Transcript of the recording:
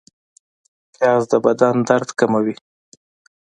پیاز د بدن درد کموي